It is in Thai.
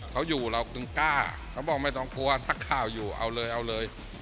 เราตึงกล้าเขาบอกไม่ต้องกลัวนักข่าวอยู่เอาเลยเอาเลย